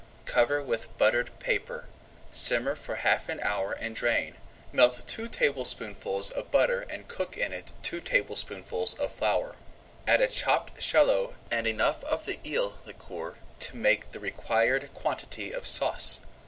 Cover with buttered paper, simmer for half an hour and drain. Melt two tablespoonfuls of butter and cook in it two tablespoonfuls of flour. Add a chopped shallot and enough of the eel liquor to make the required quantity of sauce.